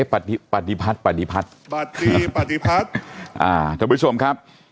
ปฏิพัฒน์ปฏิพัฒน์ทุกผู้ชมครับ